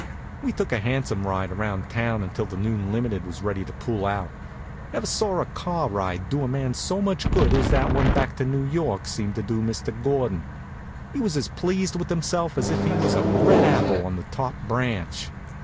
We took a hansom ride around town until the noon limited was ready to pull out. Never saw a car ride do a man so much good as that one back to New York seemed to do Mr. Gordon. He was as pleased with himself as if he was a red apple on the top branch.